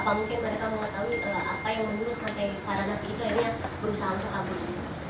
para dapur itu